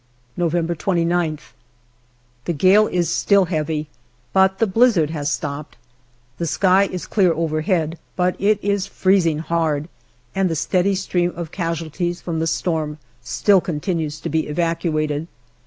November 29th. The gale is still heavy, but the blizzard has stopped. The sky is clear overhead, but it is freezing hard, and the steady stream of casualties from the storm still continues to be evacuated.